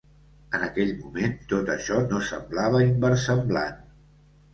En aquell moment, tot això no semblava inversemblant.